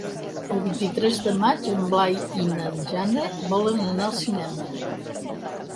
El vint-i-tres de maig en Blai i na Jana volen anar al cinema.